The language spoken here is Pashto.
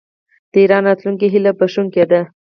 د ایران راتلونکی هیله بښونکی دی.